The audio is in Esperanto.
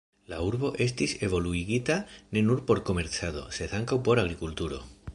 La urbo estis evoluigita ne nur por komercado, sed ankaŭ por agrikulturo.